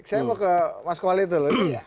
oke saya mau ke mas kualid dulu